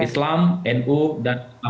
islam nu dan pdip